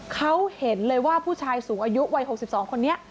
เขาเห็นเลยว่าผู้ชายสูงอายุวัย๖๒คนนี้